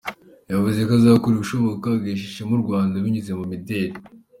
Yavuze ko azakora ibishoboka agahesha ishema u Rwanda binyuze mu mideli.